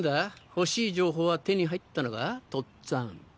欲しい情報は手に入ったのか？とっつぁん。